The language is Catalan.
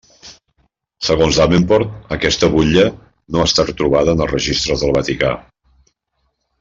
Segons Davenport, aquesta butlla no ha estat trobada en els registres del Vaticà.